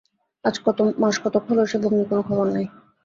আজ মাস কতক হল সে ভগ্নীর কোন খবর নাই।